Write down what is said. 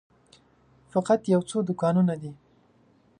فقط یو څو دوکانونه دي.